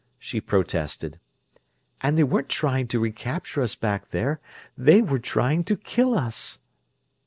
she protested. "And they weren't trying to recapture us back there; they were trying to kill us."